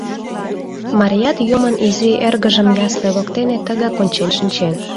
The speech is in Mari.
Марият Юмын Изи Эргыжым ясле воктене тыгак ончен шинчен.